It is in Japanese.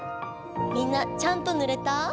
みんなちゃんとぬれた？